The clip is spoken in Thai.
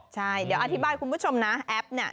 ใช่อธิบายคุณผู้ชมน้ำแอ๊บบินเดียว